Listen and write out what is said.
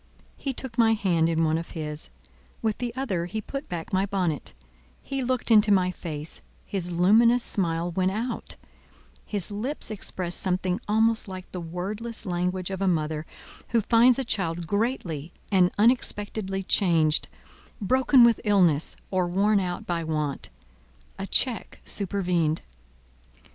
He took my hand in one of his, with the other he put back my bonnet; he looked into my face, his luminous smile went out, his lips expressed something almost like the wordless language of a mother who finds a child greatly and unexpectedly changed, broken with illness, or worn out by want. A check supervened.